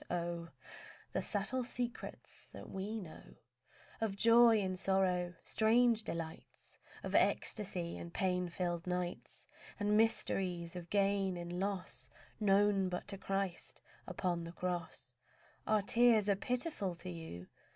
Oh The subtle secrets that we know Of joy in sorrow, strange delights Of ecstasy in pain filled nights, And mysteries of gain in loss Known but to Christ upon the cross! Our tears are pitiful to you?